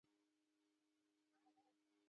هغه هغې ته د سپوږمیز دښته ګلان ډالۍ هم کړل.